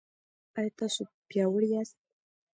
ایا تاسو پیاوړي یاست؟